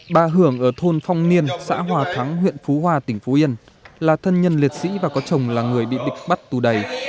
bà hưởng ở thôn phong niên xã hòa thắng huyện phú hòa tỉnh phú yên là thân nhân liệt sĩ và có chồng là người bịch bắt tù đầy